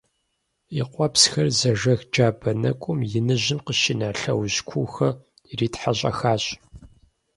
И къуэпсхэр зэжэх джабэ нэкӀум иныжьым къыщина лъэужь куухэр иритхьэщӀэхащ.